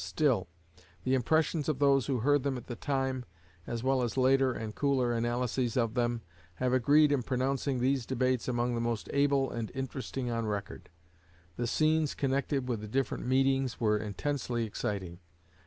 Still, the impressions of those who heard them at the time, as well as later and cooler analyses of them, have agreed in pronouncing these debates among the most able and interesting on record. The scenes connected with the different meetings were intensely exciting.